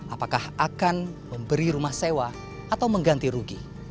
apakah akan memberi rumah sewa atau mengganti rugi